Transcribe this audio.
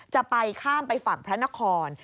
จะไปข้ามไปฝั่งพระนคร